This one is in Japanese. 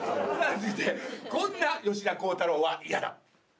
さあ続いてこんな吉田鋼太郎は嫌だ。